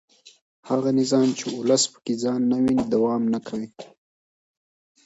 هغه نظام چې ولس پکې ځان نه ویني دوام نه کوي